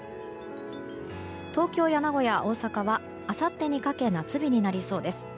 東京や名古屋、大阪はあさってにかけ夏日になりそうです。